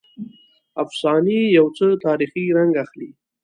افسانې یو څه تاریخي رنګ اخلي.